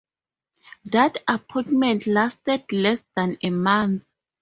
That appointment lasted less than a month.